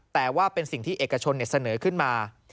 แต่ว่าเป็นสิ่งที่เอกชนเสนอขึ้นมา